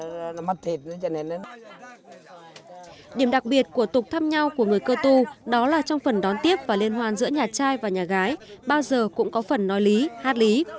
điểm đặc biệt của tục thăm nhau của người cơ tu đó là trong phần đón tiếp và liên hoan giữa nhà trai và nhà gái bao giờ cũng có phần nói lý hát lý